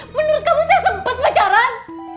menurut kamu saya sempat belajaran